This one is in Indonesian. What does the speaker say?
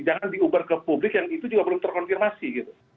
jangan diubah ke publik yang itu juga belum terkonfirmasi